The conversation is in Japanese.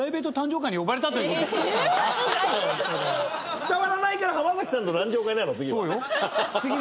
『伝わらない』から浜崎さんの誕生会なの⁉次は。